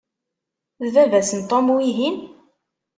D baba-s n Tom, wihin?